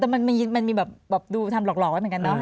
แต่มันมีแบบดูทำหลอกไว้เหมือนกันเนาะ